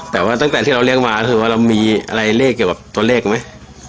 แต่ว่าตั้งแต่ที่เราเรียกมาก็คือว่าเรามีอะไรเลขเกี่ยวกับตัวเลขไหม